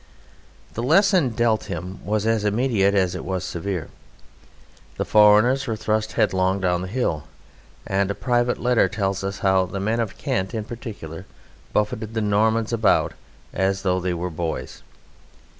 The lesson dealt him was as immediate as it was severe. The foreigners were thrust headlong down the hill, and a private letter tells us how the Men of Kent in particular buffeted the Normans about "as though they were boys."